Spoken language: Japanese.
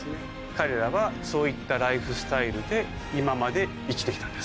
彼らはそういったライフスタイルで今まで生きて来たんです。